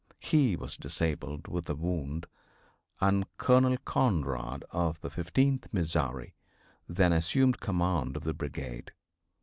He was disabled with a wound, and Colonel Conrad, of the 15th Missouri, then assumed command of the brigade.